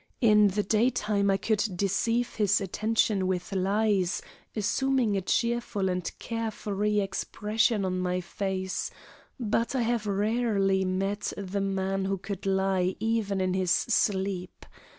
In the daytime I could deceive his attention with lies, assuming a cheerful and carefree expression on my face, but I have rarely met the man who could lie even in his sleep.